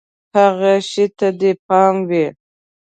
هر شي ته دې پام وي!